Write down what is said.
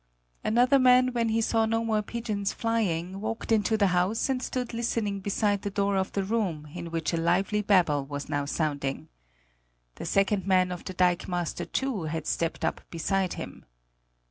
Another man, when he saw no more pigeons flying, walked into the house and stood listening beside the door of the room in which a lively babble was now sounding. The second man of the dikemaster, too, had stepped up beside him.